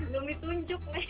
belum ditunjuk nih